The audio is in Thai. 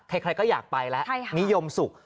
ใครก็อยากไปแล้วนิยมสุข